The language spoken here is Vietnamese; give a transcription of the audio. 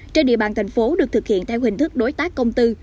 trên địa bàn thành phố được thực hiện theo hình thức đối tác công tư